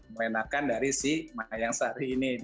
melenakan dari si mayang selandangnya ini ya pak